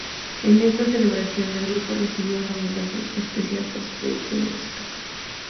En esta celebración, el grupo recibió un homenaje especial por su trayectoria musical.